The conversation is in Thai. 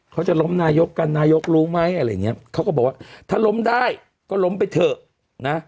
เขาจะล้มนายกกันนายกรู้ไหมอะไรอย่างเงี้ยเขาก็บอกว่าถ้าล้มได้ก็ล้มไปเถอะนะ